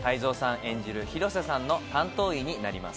演じる広瀬さんの担当医になります。